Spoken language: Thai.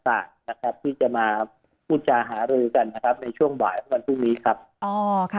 ที่จะมาพูดจารอาทิตย์รึกันในช่วงบ่ายในวันที่นี้ครับ